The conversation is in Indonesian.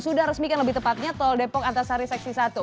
sudah resmikan lebih tepatnya tol depok antasari seksi satu